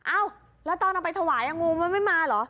เอ้าแล้วตอนเอาไปถวายงูมันไม่มาเหรอ